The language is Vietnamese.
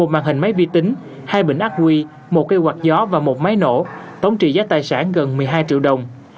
một màn hình máy vi tính hai bệnh ác huy một cây hoạt gió và một máy nổ tống trị giá tài sản gần một mươi hai triệu đồng